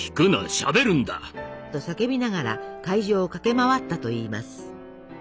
しゃべるんだ！」。と叫びながら会場を駆け回ったといいます。